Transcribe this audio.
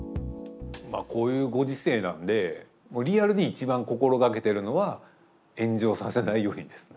まあこういうご時世なんでもうリアルに一番心がけてるのは炎上させないようにですね。